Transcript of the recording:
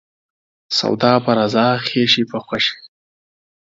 سوداپه رضا ، خيښي په خوښي.